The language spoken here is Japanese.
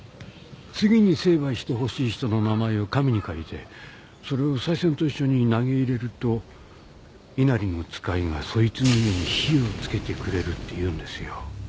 次に成敗してほしい人の名前を紙に書いてそれを賽銭と一緒に投げ入れると稲荷の遣いがそいつの家に火をつけてくれるっていうんですよ。